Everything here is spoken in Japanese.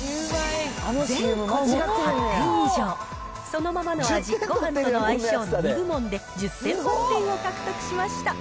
全項目８点以上、そのままの味、ごはんとの相性の２部門で１０点満点を獲得しました。